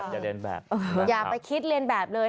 อย่าเรียนแบบอย่าไปคิดเรียนแบบเลย